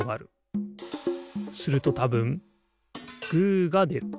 するとたぶんグーがでる。